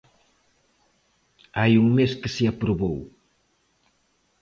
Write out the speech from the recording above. Hai un mes que se aprobou.